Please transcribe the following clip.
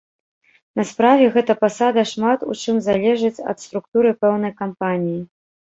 На справе гэта пасада шмат у чым залежыць ад структуры пэўнай кампаніі.